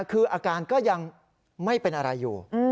คืออาการก็ยังไม่เป็นอะไรอยู่